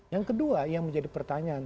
yang kedua yang menjadi pertanyaan